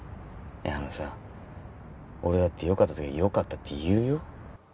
あのさ俺だってよかった時はよかったって言うよ